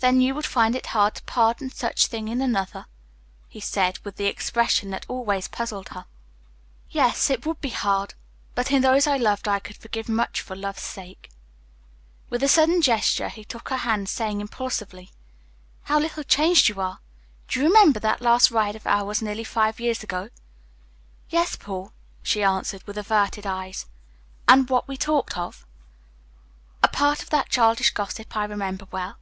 "Then you would find it hard to pardon such a thing in another?" he said, with the expression that always puzzled her. "Yes, it would be hard; but in those I loved, I could forgive much for love's sake." With a sudden gesture he took her hand saying, impulsively, "How little changed you are! Do you remember that last ride of ours nearly five years ago?" "Yes, Paul," she answered, with averted eyes. "And what we talked of?" "A part of that childish gossip I remember well."